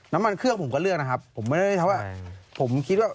น้ำมันเครื่องผมก็เลือก